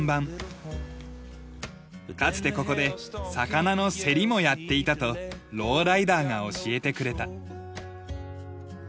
かつてここで魚の競りもやっていたと老ライダーが教えてくれた。